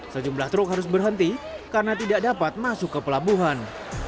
sejumlah truk harus berhenti karena tidak dapat masuk ke pelabuhan